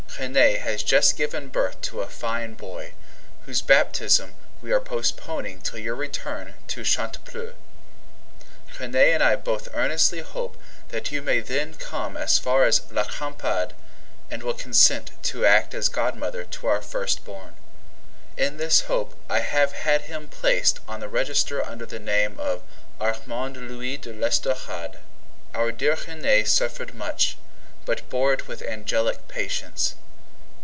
Renee has just given birth to a fine boy, whose baptism we are postponing till your return to Chantepleurs. Renee and I both earnestly hope that you may then come as far as La Crampade, and will consent to act as godmother to our firstborn. In this hope, I have had him placed on the register under the name of Armand Louis de l'Estorade. Our dear Renee suffered much, but bore it with angelic patience.